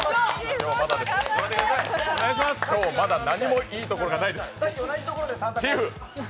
今日まだ何もいいところがないです、チーフ！